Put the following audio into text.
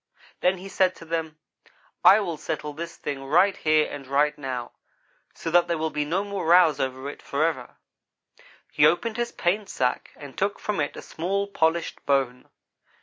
"Then he said to them: 'I will settle this thing right here and right now, so that there will be no more rows over it, forever.' "He opened his paint sack and took from it a small, polished bone.